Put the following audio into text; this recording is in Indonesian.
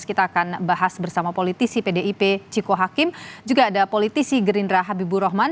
kita akan bahas bersama politisi pdip ciko hakim juga ada politisi gerindra habibur rahman